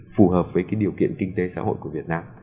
phù hợp với cái điều kiện kinh tế xã hội của việt nam